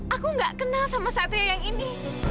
aku nggak kenal sama satria yang ini